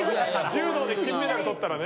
柔道で金メダルとったらね。